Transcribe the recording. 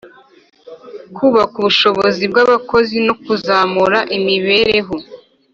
kubaka ubushobozi bw'abakozi no kuzamura imibereho